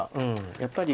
やっぱり。